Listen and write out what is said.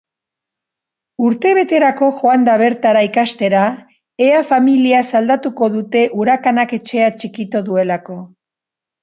Urtebeterako joan da bertara ikastera ea familiaz aldatuko dute urakanak etxea txikitu duelako.